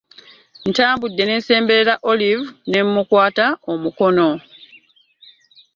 Ntambudde ne nsemberera Olive ne mmukwata omukono.